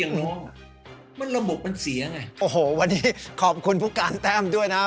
น้องมันระบุเป็นเสียงไงโอ้โหวันนี้ขอบคุณผู้การแต้มด้วยนะ